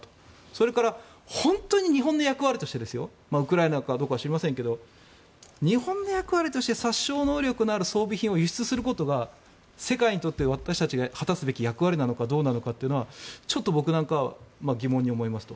それから本当に日本の役割としてウクライナかどこか知りませんが日本の役割として殺傷能力のある装備品を輸出することが世界にとって私たちが果たすべき役割なのかどうなのかちょっと僕なんかは疑問に思いますと。